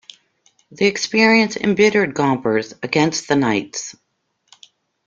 The experience embittered Gompers against the Knights.